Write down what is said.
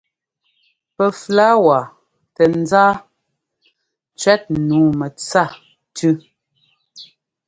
Pɛ flɔ̌wa tɛŋzá cʉ́ɛt nǔu mɛtsa tʉ.